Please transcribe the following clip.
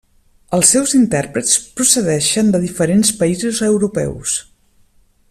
Els seus intèrprets procedeixen de diferents països europeus.